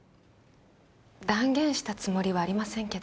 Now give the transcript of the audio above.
断言したつもりはありませんけど。